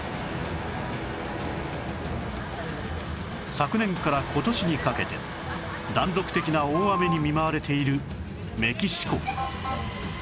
昨年から今年にかけて断続的な大雨に見舞われているメキシコ